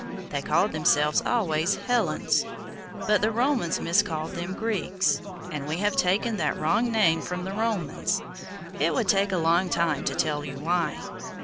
They called themselves always 'Hellens,' but the Romans miscalled them Greeks; and we have taken that wrong name from the Romans—it would take a long time to tell you why.